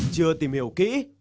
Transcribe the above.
chưa tìm hiểu kỹ